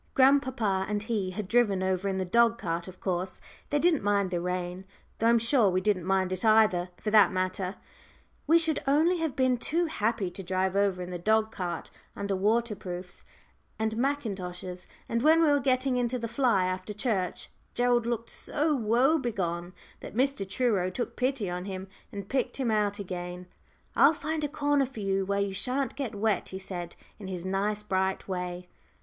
Grandpapa and he had driven over in the dog cart of course; they didn't mind the rain, though I'm sure we didn't mind it either, for that matter we should only have been too happy to drive over in the dog cart under waterproofs and mackintoshes; and when we were getting into the fly after church, Gerald looked so woebegone, that Mr. Truro took pity on him, and picked him out again. "I'll find a corner for you where you shan't get wet," he said, in his nice, bright way.